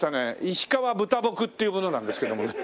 「石川豚木」っていう者なんですけどもね。